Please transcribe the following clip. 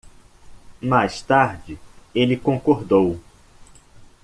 Mais tarde ele concordou